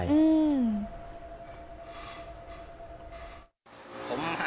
พี่นายก็อะไรนะ